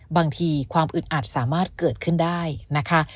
บางทีความอึดอัดสามารถเกิดขึ้นได้นะคะ